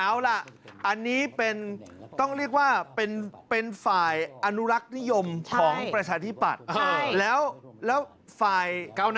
อันนี้เป็นต้องเรียกว่าเป็นฝ่ายอนุลักษณ์นิยมของประชาธิปัตย์๘๒